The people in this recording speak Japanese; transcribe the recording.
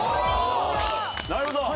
なるほど！